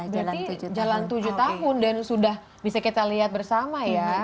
jalan tujuh tahun dan sudah bisa kita lihat bersama ya